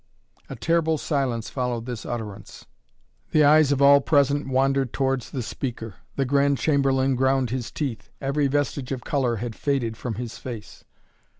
A terrible silence followed this utterance. The eyes of all present wandered towards the speaker. The Grand Chamberlain ground his teeth. Every vestige of color had faded from his face.